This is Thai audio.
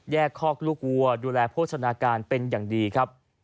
คอกลูกวัวดูแลโภชนาการเป็นอย่างดีครับ